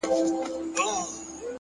هره ورځ نوی فرصت لري.